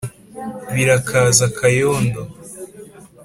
Birakaza Kayondo